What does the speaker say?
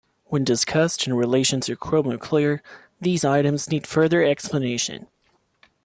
When discussed in relation to Cromaclear, these items need further explanation.